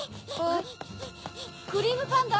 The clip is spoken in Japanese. クリームパンダ！